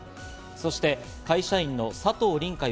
そして会社員の佐藤凜果